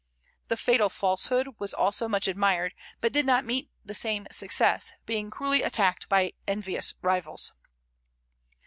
"The Fatal Falsehood" was also much admired, but did not meet the same success, being cruelly attacked by envious rivals.